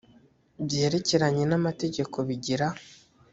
byerekerenye n amategeko bigira